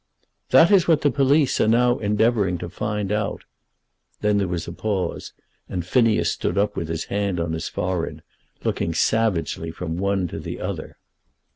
"That is what the police are now endeavouring to find out." Then there was a pause, and Phineas stood up with his hand on his forehead, looking savagely from one to the other.